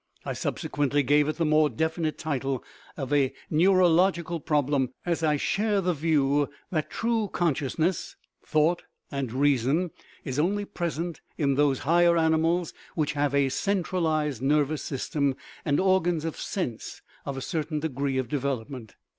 I subse quently gave it the more definite title of a neurologi cal problem, as I share the view that true conscious ness (thought and reason) is only present in those higher animals which have a centralized nervous sys tem and organs of sense of a certain degree of devel opment.